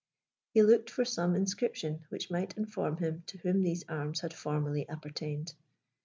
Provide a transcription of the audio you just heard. He looked for some inscription which might inform him to whom these arms had formerly appertained.